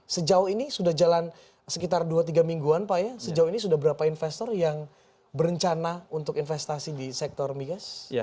sejauh ini sudah jalan sekitar dua tiga mingguan pak ya sejauh ini sudah berapa investor yang berencana untuk investasi di sektor migas